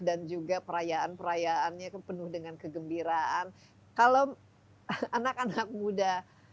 dan juga perayaan perayaannya ke penuh dengan kegembiraan kalau anak anak muda